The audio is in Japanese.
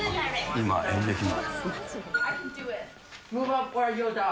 今、演劇の。